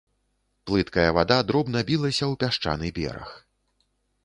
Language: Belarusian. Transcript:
Плыткая вада дробна білася ў пясчаны бераг.